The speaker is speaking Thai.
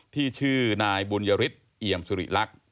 ที่ชื่อนายบุญญาริตอียมสุริรักษ์